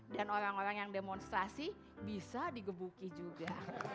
dan orang orang yang demonstrasi bisa digebuki juga